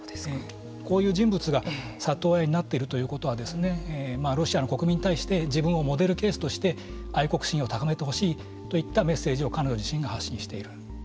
こういう人物が里親になっているということはロシアの国民に対して自分をめでるケースとして愛国心を高めてほしいといったメッセージを彼女自身が発信している。